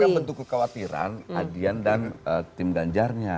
ini kan bentuk kekhawatiran adian dan tim ganjarnya